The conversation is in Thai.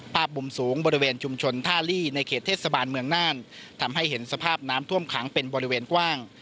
ภาพมุมสูงบริเวณชุมชนท่าลี่ในเขตเทศบาลเมืองน่านทำให้เห็นสภาพน้ำท่วมขังเป็นบริเวณกว้าง